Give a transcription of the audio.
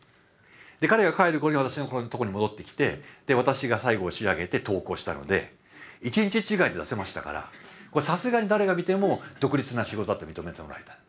で彼が帰る頃に私のところに戻ってきて私が最後を仕上げて投稿したので１日違いで出せましたからこれさすがに誰が見ても独立な仕事だって認めてもらえた。